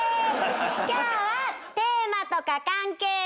今日はテーマとか関係なく。